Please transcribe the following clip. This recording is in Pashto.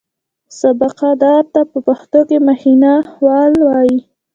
سابقه دار ته په پښتو کې مخینه والا وایي.